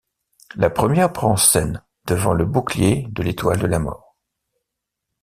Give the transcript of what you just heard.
La première prend scène devant le bouclier de l'Étoile de la mort.